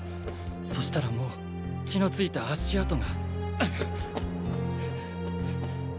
そしたらもう血のついた足跡が。